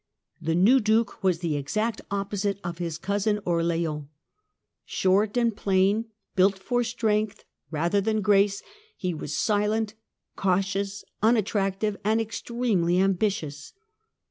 The new Duke was the exact opposite of his cousin Orleans, Short 'and plain, built for strength rather than grace, he was silent, cautious, unattractive, and extremely ambitious.